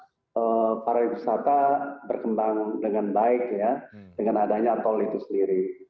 adalah para wisata berkembang dengan baik dengan adanya tol itu sendiri